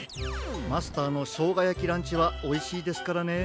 マスターのしょうがやきランチはおいしいですからね。